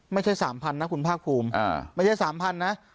ไม่ใช่๓๐๐นะคุณภาคภูมิไม่ใช่๓๐๐นะ